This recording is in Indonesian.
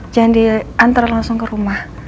jangan diantar langsung ke rumah